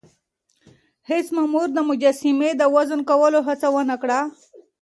هیڅ مامور د مجسمې د وزن کولو هڅه ونه کړه.